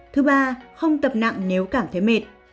thứ ba không tập nặng nếu cảm thấy mệt